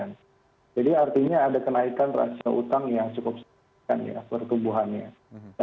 jadi artinya ada kenaikan rasio utang yang cukup sedikit pertumbuhannya